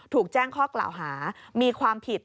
ถูกแจ้งข้อกล่าวหามีความผิด